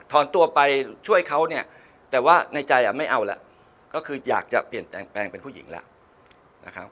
อนตัวไปช่วยเขาเนี่ยแต่ว่าในใจอ่ะไม่เอาแล้วก็คืออยากจะเปลี่ยนแปลงแปลงเป็นผู้หญิงแล้วนะครับ